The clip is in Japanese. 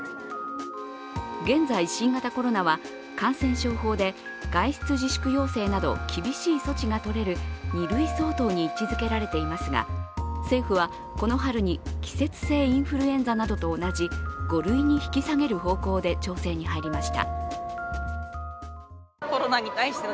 現在、新型コロナは感染症法で外出自粛要請など厳しい措置がとれる２類相当に位置づけられていますが政府は、この春に季節性インフルエンザなどと同じ５類に引き下げる方向で調整に入りました。